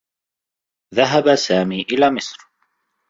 ذهب سامي إلى مصر.